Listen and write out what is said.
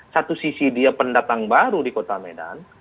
satu sisi dia pendatang baru di kota medan